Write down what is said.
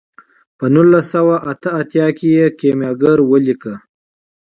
په نولس سوه اته اتیا کې یې کیمیاګر ولیکه.